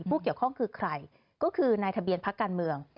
ผู้เกี่ยวข้องคือใครก็คือนายทะเบียนพักการเมือง